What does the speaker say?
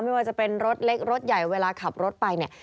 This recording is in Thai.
ไม่ว่าจะเป็นรถเล็กรถใหญ่เวลาขับรถไปเนี่ย